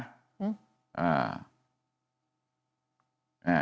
อ่า